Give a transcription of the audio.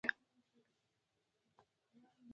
وېښتيان په یخو اوبو وینځل ګټور دي.